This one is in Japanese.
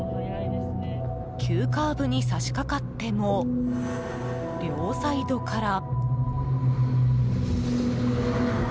急カーブにさしかかっても両サイドから。